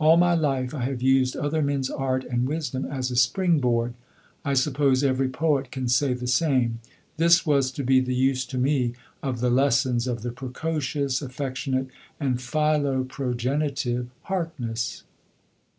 All my life I have used other men's art and wisdom as a spring board. I suppose every poet can say the same. This was to be the use to me of the lessons of the precocious, affectionate, and philoprogenitive Harkness.